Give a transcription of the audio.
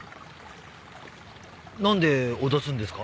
なんで脅すんですか？